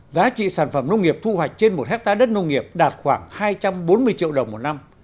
giá trị sản phẩm nông nghiệp thu hoạch trên một hectare đất nông nghiệp đạt khoảng hai trăm bốn mươi triệu đồng một năm